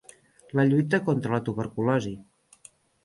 La lluita contra la tuberculosi.